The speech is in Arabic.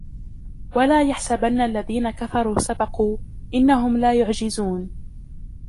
وَلَا يَحْسَبَنَّ الَّذِينَ كَفَرُوا سَبَقُوا إِنَّهُمْ لَا يُعْجِزُونَ